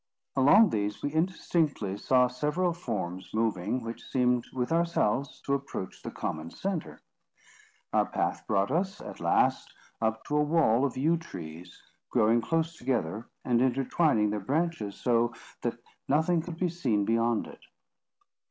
Along these we indistinctly saw several forms moving, which seemed, with ourselves, to approach the common centre. Our path brought us, at last, up to a wall of yew trees, growing close together, and intertwining their branches so, that nothing could be seen beyond it.